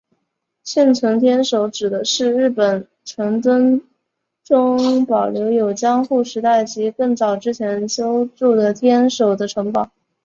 现存天守指的是日本城郭中保留有江户时代及更早之前修筑的天守的城堡。